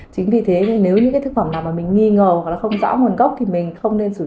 chính vì thế nếu những cái thực phẩm nào mà mình nghi ngờ hoặc là không rõ nguồn gốc thì mình không nên sử dụng